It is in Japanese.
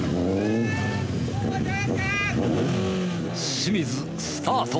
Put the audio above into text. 清水スタート！